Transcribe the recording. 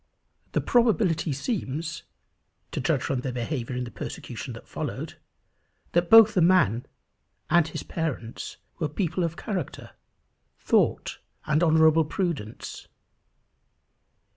The probability seems, to judge from their behaviour in the persecution that followed, that both the man and his parents were people of character, thought, and honourable prudence.